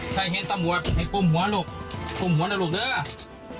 ใครเห็นตัวหมดให้กลมหัวลูกกลมหัวล่ะหลูกดู